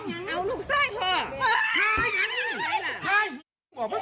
เอ้าลูกซ้ายพ่อ